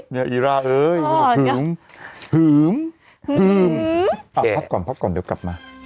เนี่ยอีล่าเอ้ยหืมหืมหืมอ่ะพักก่อนเดี๋ยวกลับมา